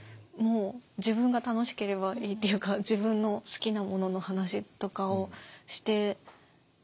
もう自分が楽しければいいっていうか自分の好きなものの話とかをして。